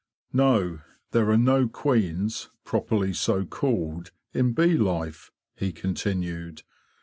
'* No; there are no queens, properly so called, in bee life,"' he continued.